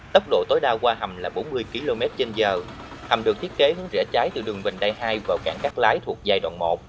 tốc độ tối đa qua hầm là bốn mươi km trên giờ hầm được thiết kế hướng rẽ trái từ đường bình đại hai vào cảng cắt lái thuộc giai đoạn một